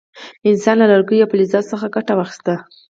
انسان له لرګیو او فلزاتو څخه ګټه واخیسته.